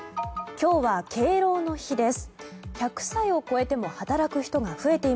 今日は敬老の日です。